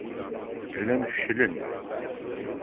Llan fecclen.